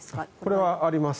これはあります。